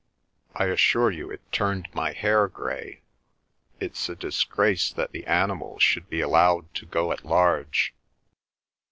I assure you it turned my hair grey. It's a disgrace that the animals should be allowed to go at large."